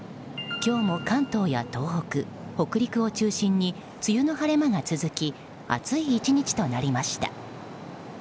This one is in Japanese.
今日も関東や東北北陸を中心に梅雨の晴れ間が続き暑い１日となりました。